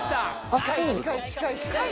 近い近い近い近い。